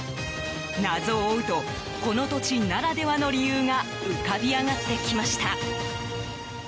謎を追うとこの土地ならではの理由が浮かび上がってきました。